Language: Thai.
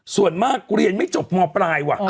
ส่วนมากเรียนไม่จบมปลายว่ะ